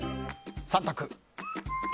３択。